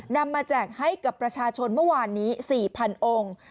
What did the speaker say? นำมาแจกให้กับประชาชนเมื่อวานนี้๔๐๐องค์